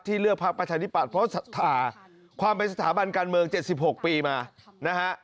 เลือกพักประชาธิปัตย์เพราะความเป็นสถาบันการเมือง๗๖ปีมานะฮะ